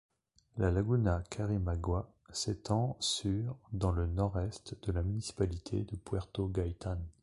La laguna Carimagua s'étend sur dans le nord-est de la municipalité de Puerto Gaitán.